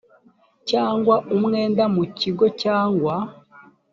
cyangwa umwenda mu kigo cyangwa